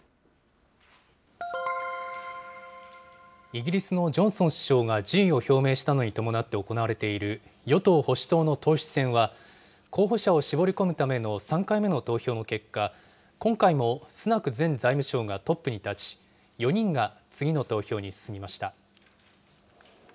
イギリスのジョンソン首相が辞意を表明したのに伴って行われている、与党・保守党の党首選は、候補者を絞り込むための３回目の投票の結果、今回もスナク前財務相がトップに立ち、４人が次の投票に進みました。